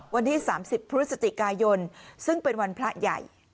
วันที่๓๐พฤศจิกายนซึ่งเป็นวันพระใหญ่